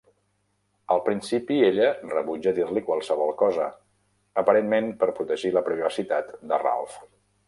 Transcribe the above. Al principi ella rebutja dir-li qualsevol cosa, aparentment per protegir la privacitat de Ralf.